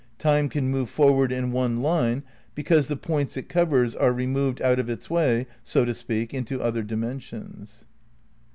Time can move forward in one line because the points it covers are removed out of its way, so to speak, into other dimensions.